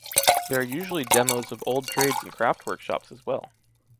There are usually demos of old trades and craft workshops as well.